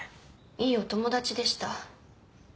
いいお友達でした。